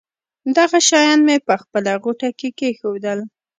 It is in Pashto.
دغه شیان مې په خپله غوټه کې کېښودل.